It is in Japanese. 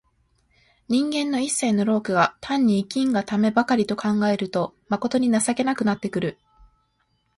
人間の一切の労苦が単に生きんがためばかりと考えると、まことに情けなくなってくる。